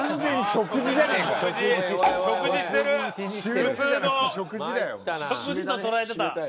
食事と捉えてた。